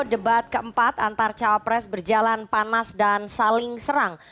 debat keempat antar cawapres berjalan panas dan saling serang